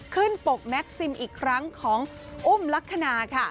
ปกแม็กซิมอีกครั้งของอุ้มลักษณะค่ะ